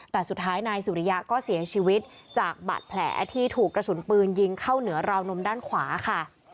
แต่สุดท้ายนายสุริยะก็เสียชีวิตจากบาดแผลที่ถูกกระสุนปืนยิงเข้าเหนือราวนมด้านขวาค่ะ